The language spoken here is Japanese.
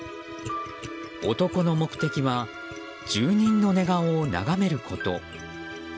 男の目的は住人の寝顔を眺めること。